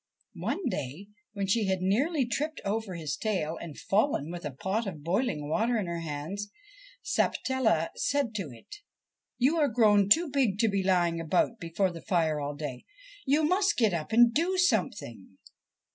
One day when she had nearly tripped over his tail and fallen with a pot of boiling water in her hands, Sapatella said to it :' You are grown too big to be lying about before the fire all day. You must get up and do something.'